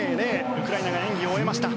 ウクライナが演技を終えました。